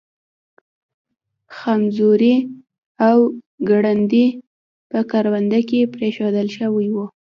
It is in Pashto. خمزوري او گنډري په کرونده کې پرېښودل ښه وي.